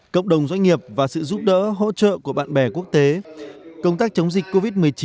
cộng đồng doanh nghiệp và sự giúp đỡ hỗ trợ của bạn bè quốc tế công tác chống dịch covid một mươi chín